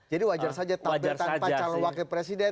jadi wajar saja tampil tanpa calon wakil presiden